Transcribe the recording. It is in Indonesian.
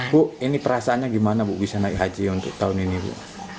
bu ini perasaannya gimana bu bisa naik haji untuk tahun ini bu